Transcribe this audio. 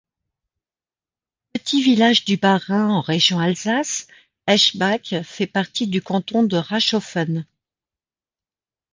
Petit village du Bas-Rhin en région Alsace, Eschbach fait partie du canton de Reichshoffen.